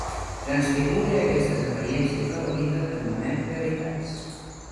Transfigure aquestes apariències de la vida que anomenem realitats